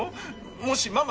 もしママ。